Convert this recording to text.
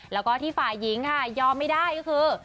แล้วก็ที่ฝ่ายหญิงค่ะยอมไม่ได้ก็คือ